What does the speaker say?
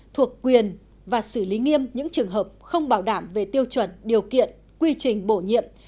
thuộc quyền và xử lý nghiêm những trường hợp không bảo đảm về tiêu chuẩn điều kiện quy trình bổ nhiệm